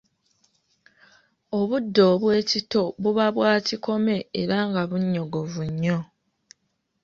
Obudde obw'ekitto buba bwakikome era nga bunnyogovu nnyo.